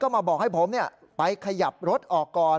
มาบอกให้ผมไปขยับรถออกก่อน